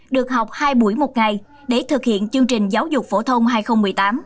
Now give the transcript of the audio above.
được học hai buổi một ngày để thực hiện chương trình giáo dục phổ thông hai nghìn một mươi tám